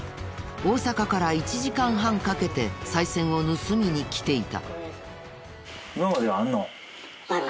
大阪から１時間半かけてさい銭を盗みに来ていた。